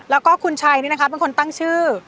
แล้วก็คุณชัยนี่นะคะเป็นคนตั้งชื่อ